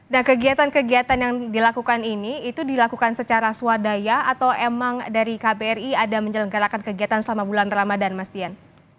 nah kegiatan kegiatan yang dilakukan ini itu dilakukan secara swadaya atau emang dari kbri ada menyelenggarakan kegiatan selama bulan ramadan mas dian